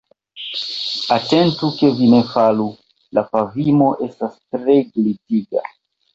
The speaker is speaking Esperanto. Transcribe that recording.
Atentu ke vi ne falu, la pavimo estas tre glitiga.